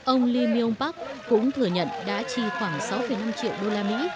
ông lee myung pak cũng thừa nhận đã chi khoảng sáu năm triệu đô la mỹ